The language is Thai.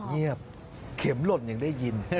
เงียบเข็มหล่นยังได้ยิน